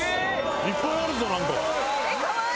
いっぱいあるぞ！